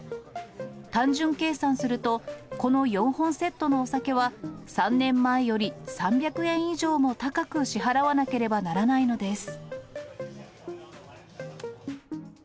単純計算すると、この４本セットのお酒は、３年前より３００円以上も高く支払わなければならないのです。